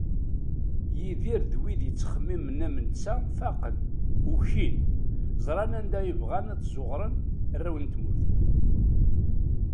Yidir d wid yettxemmimen am netta faqen, ukin, ẓran anda i bɣan ad ẓuɣren arraw n tmurt.